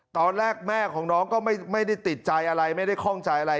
ตอนแรกแม่ของน้องก็ไม่ได้ติดใจอะไรไม่ได้คล่องใจอะไร